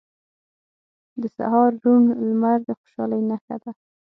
• د سهار روڼ لمر د خوشحالۍ نښه ده.